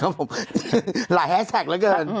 หลายแฮสแท็กเหลือเกิน